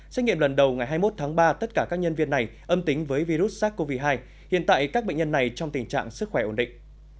xét nghiệm lần đầu ngày hai mươi một tháng ba tất cả các nhân viên này âm tính với virus sars cov hai hiện tại các bệnh nhân này trong tình trạng sức khỏe ổn định